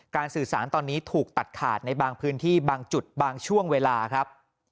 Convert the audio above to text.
สื่อสารตอนนี้ถูกตัดขาดในบางพื้นที่บางจุดบางช่วงเวลาครับ